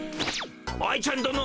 愛ちゃんどの。